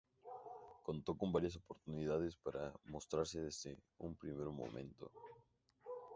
Contó con varias oportunidades para mostrarse desde un primer momento.